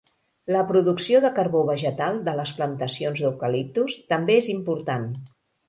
La producció de carbó vegetal de les plantacions d'eucaliptus també és important.